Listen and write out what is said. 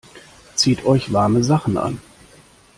Zieht euch warme Sachen an!